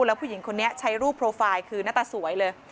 แล้วผู้หญิงคนนี้ใช้รูปโปรไฟล์คือหน้าตาสวยเลย